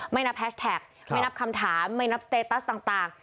ไม่นับแฮชแท็กไม่นับคำถามไม่นับสเตตัสต่าง